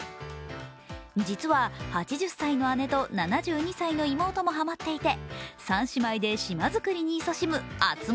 実は、８０歳の姉と７２歳の妹もハマっていて３姉妹で島作りにいそしむ「あつ森」